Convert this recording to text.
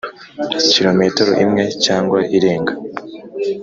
kilometero imwe cyangwa irenga,